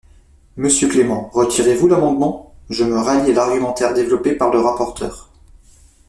Monsieur Clément, retirez-vous l’amendement ? Je me rallie à l’argumentaire développé par le rapporteur.